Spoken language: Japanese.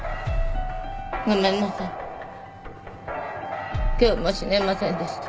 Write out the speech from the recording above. ごめんなさい今日も死ねませんでした。